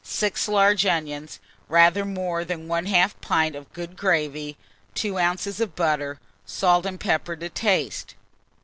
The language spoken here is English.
6 large onions, rather more than 1/2 pint of good gravy, 2 oz. of butter, salt and pepper to taste.